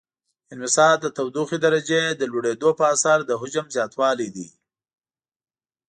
انبساط د تودوخې درجې د لوړیدو په اثر د حجم زیاتوالی دی.